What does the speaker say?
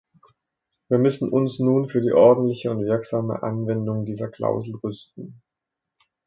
Wir müssen uns nun für die ordentliche und wirksame Anwendung dieser Klausel rüsten.